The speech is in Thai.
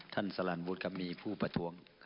ท่านสารรวรรดิ์มีผู้ประทวง